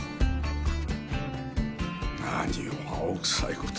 何を青臭いことを。